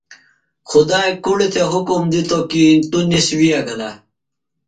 خدائی کُڑیۡ تھےۡ حکم دِتوۡ کی تونِس ویہ گلہ۔